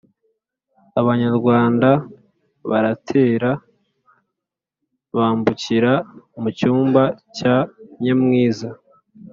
abanyarwanda baratera, bambukira mu cyambu cya nyamwiza